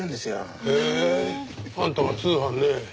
へえあんたが通販ね。